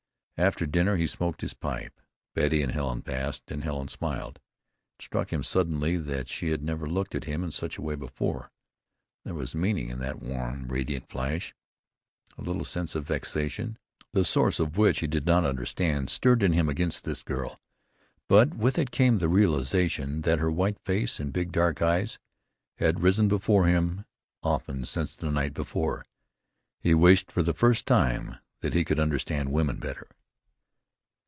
After dinner he smoked his pipe. Betty and Helen passed, and Helen smiled. It struck him suddenly that she had never looked at him in such a way before. There was meaning in that warm, radiant flash. A little sense of vexation, the source of which he did not understand, stirred in him against this girl; but with it came the realization that her white face and big, dark eyes had risen before him often since the night before. He wished, for the first time, that he could understand women better.